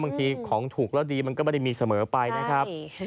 บางทีของถูกแล้วดีมันก็ไม่ได้มีเสมอไปนะครับ